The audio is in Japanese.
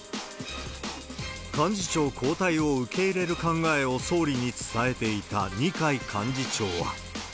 幹事長交代を受け入れる考えを総理に伝えていた二階幹事長は。